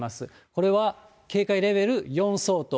これは警戒レベル４相当。